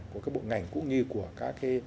của các bộ ngành cũng như của các